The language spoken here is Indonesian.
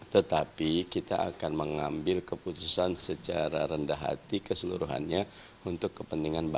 tetapi kita akan mengambil keputusan secara rendah hati keseluruhannya untuk kepentingan bangsa